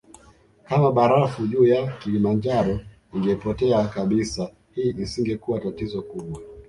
Kama barafu juu ya Kilimanjaro ingepotea kabisa hii isingekuwa tatizo kubwa